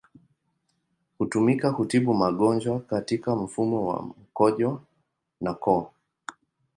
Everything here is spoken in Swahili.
Hutumika kutibu magonjwa katika mfumo wa mkojo na koo.